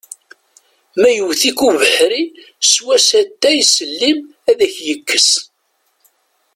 Ma yewwet-ik ubeḥri sew-as atay s llim ad k-yekkes!